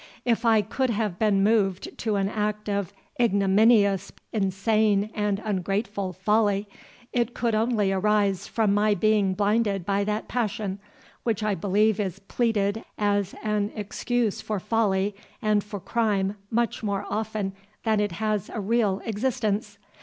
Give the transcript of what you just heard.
If I could have been moved to an act of ignominious, insane, and ungrateful folly, it could only arise from my being blinded by that passion, which I believe is pleaded as an excuse for folly and for crime much more often than it has a real existence.